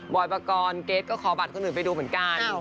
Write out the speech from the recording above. อยปกรณ์เกรทก็ขอบัตรคนอื่นไปดูเหมือนกัน